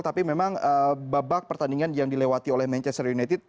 tapi memang babak pertandingan yang dilewati oleh manchester united